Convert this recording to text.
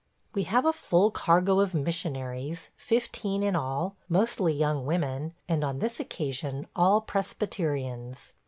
We have a full cargo of missionaries – fifteen in all – mostly young women, and, on this occasion, all Presbyterians.